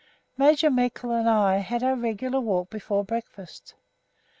Major Meikle and I had our regular walk before breakfast.